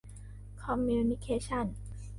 คอมมิวนิเคชั่น